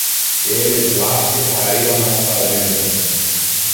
Eles lá ficariam nas fazendas.